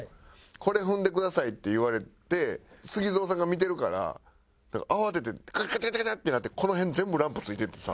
「これ踏んでください」って言われてＳＵＧＩＺＯさんが見てるから慌ててガチャガチャガチャってなってこの辺全部ランプついていってさ。